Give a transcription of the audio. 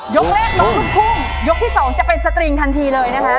ยกแรกน้องลูกทุ่งยกที่๒จะเป็นสตริงทันทีเลยนะคะ